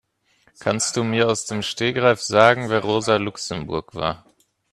Kannst du mir aus dem Stegreif sagen, wer Rosa Luxemburg war?